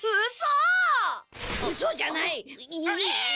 うそじゃないコケ！